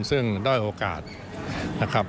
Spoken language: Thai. ซึ่งด้อยโอกาสนะครับ